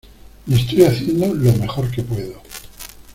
Y estoy haciendo lo mejor que puedo